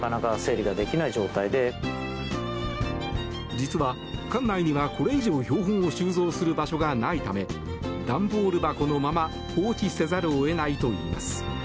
実は館内には、これ以上標本を収蔵する場所がないため段ボール箱のまま放置せざるを得ないといいます。